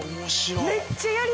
めっちゃやりたい！